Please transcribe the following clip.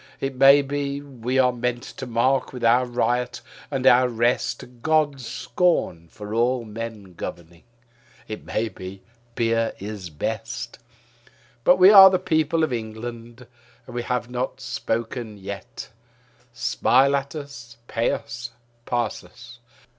It may be we are meant to mark with our riot and our rest God's scorn for all men governing. It may be beer is best. But we are the people of England; and we have not spoken yet. Smile at us, pay us, pass us.